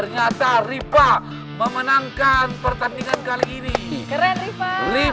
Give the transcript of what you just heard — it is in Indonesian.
yaudah kita lagi suka permainan berikutnya